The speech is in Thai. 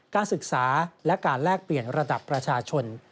การศึกษาและการแลกเปลี่ยนระดับประชาชน